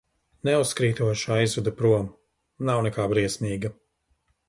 Neuzkrītoši aizvedu prom, nav nekā briesmīga.